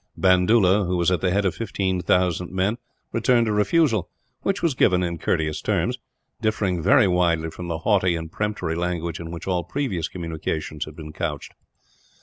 Bandoola, who was at the head of 15,000 men, returned a refusal; which was given in courteous terms, differing very widely from the haughty and peremptory language in which all previous communications had been couched.